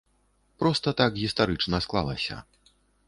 Проста так гістарычна склалася.